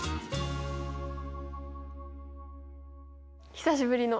久しぶりの。